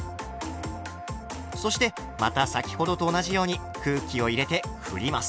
そしてまた先ほどと同じように空気を入れてふります。